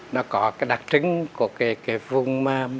nó có cái đặc trưng của cái vùng